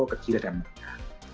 kecil dan banyak